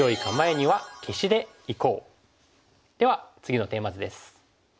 では次のテーマ図です。